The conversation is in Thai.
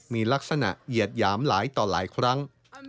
มีลักษณะเหยียดหยามหลายต่อหลายครั้ง